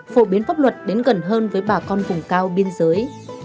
thuật đến gần hơn với bà con vùng cao biên giới